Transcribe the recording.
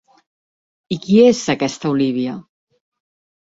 I qui és aquesta Olívia?